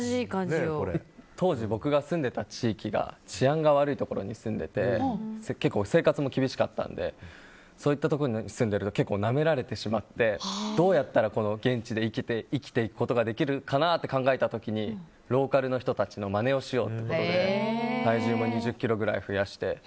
当時、僕が住んでた地域が治安が悪いところで結構、生活も厳しかったのでそういったところに住んでるとなめられてしまってどうやったら現地で生きていくことができるかなと考えた時に、ローカルの人たちのまねをしようということで体重も２０ｋｇぐらい増やして。